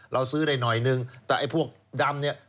เราซื้อได้หน่อยนึงแต่ไอ้พวกดำเนี่ย